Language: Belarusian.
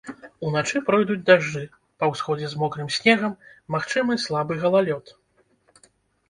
Уначы пройдуць дажджы, па ўсходзе з мокрым снегам, магчымы слабы галалёд.